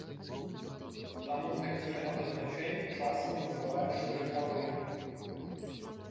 Таму такія абазначэнні часам называюць штрыхавымі.